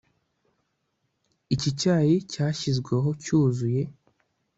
Iki cyayi cyashyizweho cyuzuye